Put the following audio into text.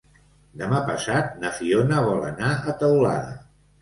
Demà passat na Fiona vol anar a Teulada.